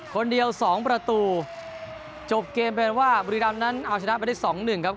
คนเดียว๒ประตูจบเกมเป็นว่าบริษัทนั้นเอาชนะไปได้๒๑ครับ